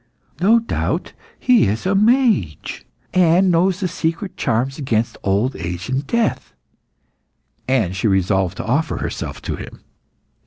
No doubt he is a mage, and knows secret charms against old age and death," and she resolved to offer herself to him.